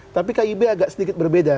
tapi kib agak sedikit berbeda